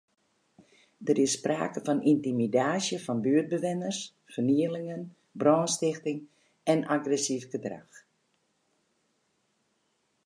Der is sprake fan yntimidaasje fan buertbewenners, fernielingen, brânstichting en agressyf gedrach.